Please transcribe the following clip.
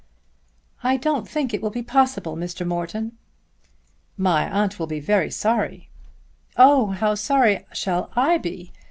"I don't think it will be possible, Mr. Morton." "My aunt will be very sorry." "Oh, how sorry shall I be!